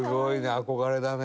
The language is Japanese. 憧れだね